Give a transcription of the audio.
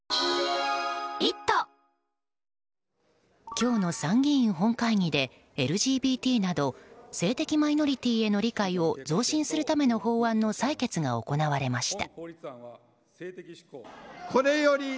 今日の参議院本会議でＬＧＢＴなど性的マイノリティーへの理解を増進するための法案の採決が行われました。